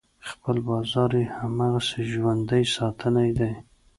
خپل بازار یې هماغسې ژوندی ساتلی دی.